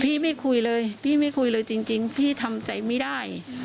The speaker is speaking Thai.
ไม่คุยเลยพี่ไม่คุยเลยจริงพี่ทำใจไม่ได้